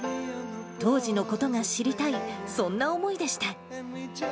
当時のことが知りたい、そんな思いでした。